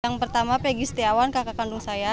yang pertama pegi setiawan kakak kandung saya